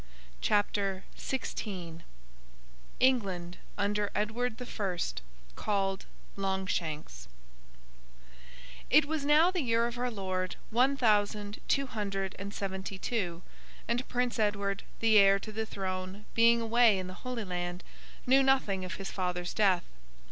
CHAPTER XVI ENGLAND UNDER EDWARD THE FIRST, CALLED LONGSHANKS It was now the year of our Lord one thousand two hundred and seventy two; and Prince Edward, the heir to the throne, being away in the Holy Land, knew nothing of his father's death.